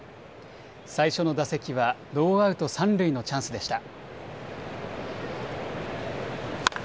最初の打席はノーアウト三塁のチャンスでした。